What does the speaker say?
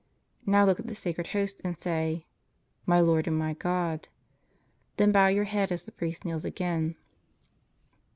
Now look at the Sacred Host and say: My Lord and my God. Then bow your head as the priest kneels again.